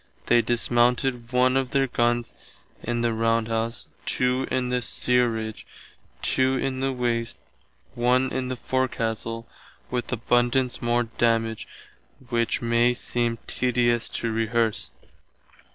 They dismounted one of our gunns in the roundhouse, two in the stearidge, two in the waste, one in the forecastle, with abundance more damage which may seem tedious to rehearse.